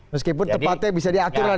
meskipun tepatnya bisa diatur lagi